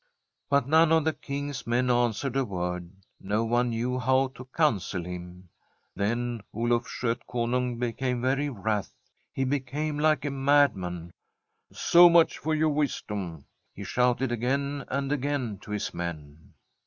"' But none of the King's men answered a word ; no one knew how to counsel him. * Then Oluf Skotkonung became very wrath ; he became like a madman. *" So much for your wisdom," he shouted again and again to his men.